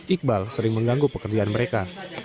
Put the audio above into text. iqbal sering mengganggu pekerjaan mereka